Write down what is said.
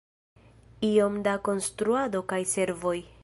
Iom da konstruado kaj servoj.